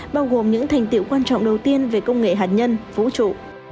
bao gồm những thành tiệu quan trọng đầu tiên về công nghệ hạt nhân vũ trụ